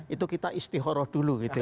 itu kita istihoroh dulu gitu